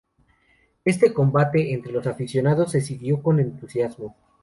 Este combate, entre los aficionados se siguió con entusiasmo.